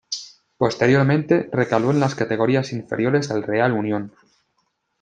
Posteriormente recaló en las categorías inferiores del Real Unión.